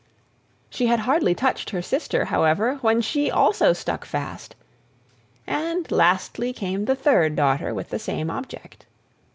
She had hardly touched her sister, however, when she also stuck fast. And lastly came the third daughter with the same object.